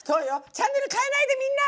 チャンネルかえないでみんな！